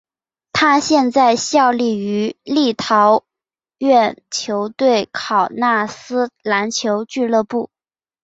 他现在效力于立陶宛球队考纳斯篮球俱乐部。